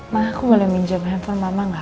ma aku boleh minjem handphone mama nggak